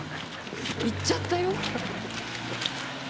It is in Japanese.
行っちゃったよ。